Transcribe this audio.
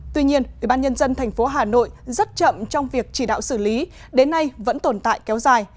tuy nhiên ubnd tp hà nội rất chậm trong việc chỉ đạo xử lý đến nay vẫn tồn tại kéo dài